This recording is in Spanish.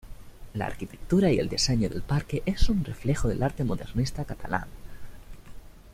La arquitectura y el diseño del parque es un reflejo del arte modernista catalán.